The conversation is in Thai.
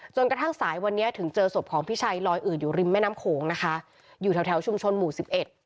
กระทั่งสายวันนี้ถึงเจอศพของพี่ชัยลอยอืดอยู่ริมแม่น้ำโขงนะคะอยู่แถวแถวชุมชนหมู่สิบเอ็ด